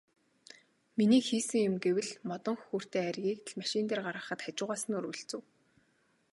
Миний хийсэн юм гэвэл модон хөхүүртэй айргийг л машин дээр гаргахад хажуугаас нь өргөлцөв.